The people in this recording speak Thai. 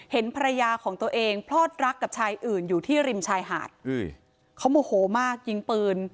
เห็นภรรยาของตัวเองพลอดรักกับชายอื่นอยู่ที่ริมชายหาดเขาโมโหมากยิงปืน